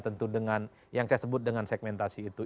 tentu dengan yang saya sebut dengan segmentasi itu